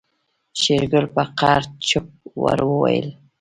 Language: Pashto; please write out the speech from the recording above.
شېرګل په قهر چپ ور وويل.